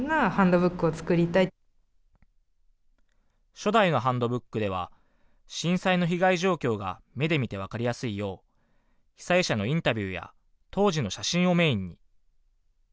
初代のハンドブックでは震災の被害状況が目で見て分かりやすいよう被災者のインタビューや当時の写真をメインに。